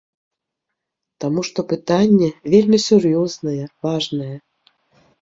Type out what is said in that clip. Таму што пытанне вельмі сур'ёзнае, важнае.